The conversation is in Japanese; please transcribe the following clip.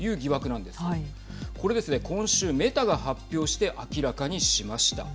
これですね、今週メタが発表して明らかにしました。